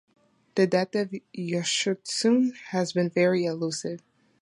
The death of Yoshitsune has been very elusive.